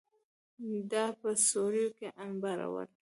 دا په سوریو کې انبارول.